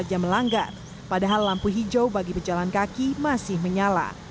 saja melanggar padahal lampu hijau bagi pejalan kaki masih menyala